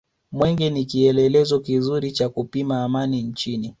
mwenge ni kielelezo kizuri cha kupima amani nchini